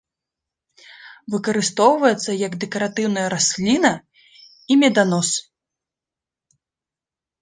Выкарыстоўваецца як дэкаратыўная расліна і меданос.